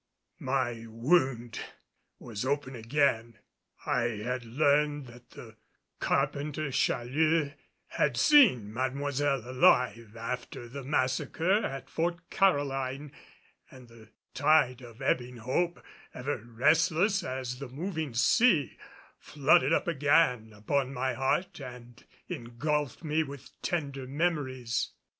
My wound was open again. I had learned that the carpenter Challeux had seen Mademoiselle alive after the massacre at Fort Caroline, and the tide of ebbing hope, ever restless as the moving sea, flooded up again upon my heart and engulfed me with tender memories.